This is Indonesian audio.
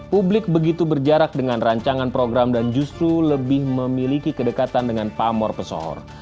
publik begitu berjarak dengan rancangan program dan justru lebih memiliki kedekatan dengan pamor pesohor